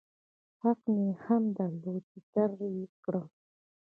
حق مې هم درلود چې رد يې کړم.